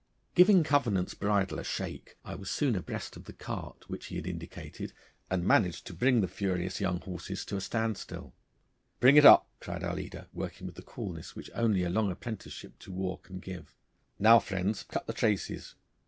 Giving Covenant's bridle a shake I was soon abreast of the cart which he had indicated, and managed to bring the furious young horses to a stand still. 'Bring it up!' cried our leader, working with the coolness which only a long apprenticeship to war can give. 'Now, friends, cut the traces!